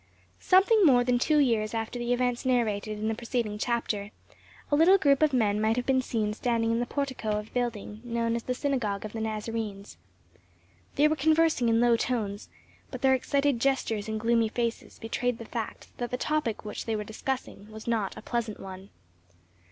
Something more than two years after the events narrated in the preceding chapter, a little group of men might have been seen standing in the portico of a building known as the Synagogue of the Nazarenes. They were conversing in low tones, but their excited gestures and gloomy faces betrayed the fact that the topic which they were discussing was not a pleasant one.